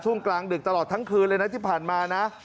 กลางดึกตลอดทั้งคืนเลยนะที่ผ่านมานะ